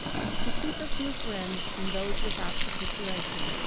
"To keep a few friends and those without capitulation."